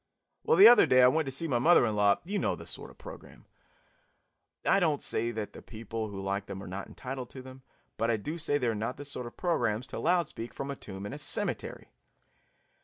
Well, the other day I went to see my mother in law " You know the sort of program. I don't say that the people who like them are not entitled to them, but I do say they are not the sort of programs to loud speak from a tomb in a cemetery.